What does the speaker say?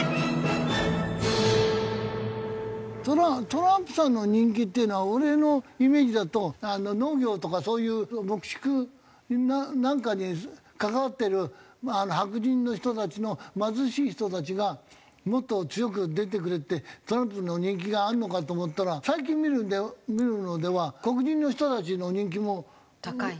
トランプさんの人気っていうのは俺のイメージだと農業とかそういう牧畜なんかに関わってる白人の人たちの貧しい人たちがもっと強く出てくれってトランプの人気があるのかと思ったら最近見るのでは黒人の人たちの人気も高いよね。